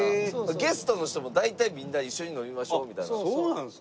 ゲストの人も大体みんな「一緒に飲みましょう」みたいな。